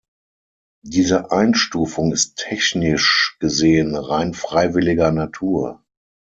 Diese Einstufung ist technisch gesehen rein freiwilliger Natur.